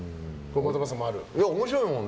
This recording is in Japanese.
面白いもん。